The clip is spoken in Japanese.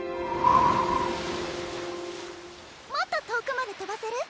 もっと遠くまで飛ばせる？